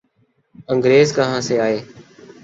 انگریز کہاں سے آئے؟